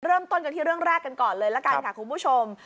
เริ่มต้นกันที่เรื่องแรกกันก่อนเลยละกันค่ะคุณผู้ชม